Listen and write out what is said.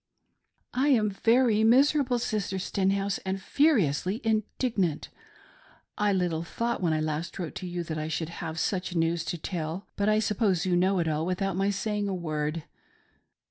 I am very miserable, Sister Stenhouse, and furiously indig nant. I little thought when I last wrote to you that I should have such news to tell ; but I suppose you know it all without my saying a word.